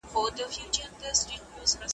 د غمونو ورا یې راغله د ښادیو جنازې دي ,